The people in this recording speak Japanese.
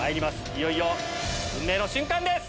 いよいよ運命の瞬間です！